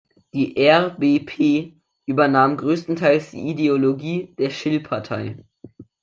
Die R-B-P übernahm größtenteils die Ideologie der Schill-Partei.